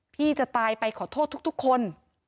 พี่จะตายไปขอโทษทุกคน